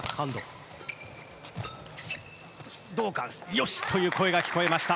よしという声が聞こえました。